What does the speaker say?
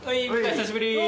久しぶり！